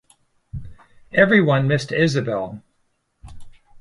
Every one missed Isobel.